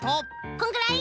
こんぐらい？